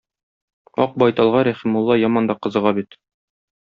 Ак байталга Рәхимулла яман да кызыга бит.